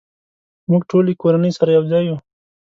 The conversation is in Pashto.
مونږ ټولې کورنۍ سره یوځای یو